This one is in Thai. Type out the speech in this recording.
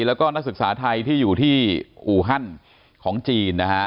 แล้วก็นักศึกษาไทยที่อยู่ที่อูฮันของจีนนะฮะ